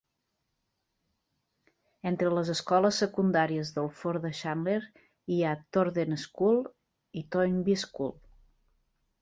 Entre les escoles secundàries del Ford de Chandler hi ha Thornden School i Toynbee School.